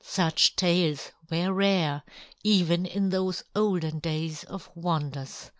Such tales were rare, even in those olden days of wonders.